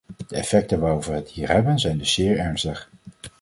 De effecten waarover we het hier hebben zijn dus zeer ernstig.